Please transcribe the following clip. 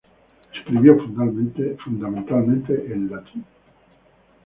Escribió fundamentalmente en latín.